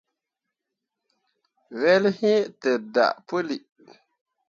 Wel iŋ te daa puli.